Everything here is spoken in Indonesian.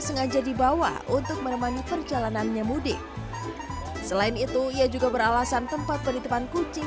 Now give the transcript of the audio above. sengaja dibawa untuk menemani perjalanannya mudik selain itu ia juga beralasan tempat penitipan kucing